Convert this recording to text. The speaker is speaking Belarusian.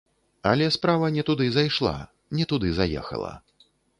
Але справа не туды зайшла, не туды заехала.